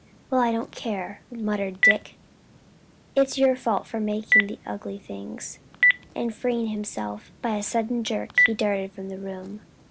"Well, I don't care," muttered Dick, "it's your fault for making the ugly things." And freeing himself by a sudden jerk, he darted from the room.